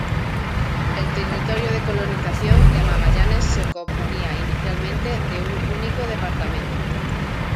El Territorio de Colonización de Magallanes se componía inicialmente de un único departamento.